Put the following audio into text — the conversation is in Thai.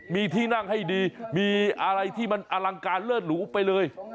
มีที่นั่งให้ดีมีอะไรที่มันอลังการเลิศหรูไปเลย